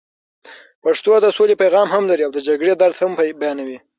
پښتو د سولې پیغام هم لري او د جګړې درد هم بیانوي.